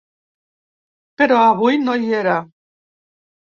Però avui no hi era.